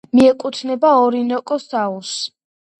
მიეკუთვნება ორინოკოს აუზს.